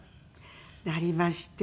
なりまして。